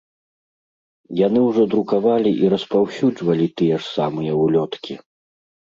Яны ўжо друкавалі і распаўсюджвалі тыя ж самыя ўлёткі.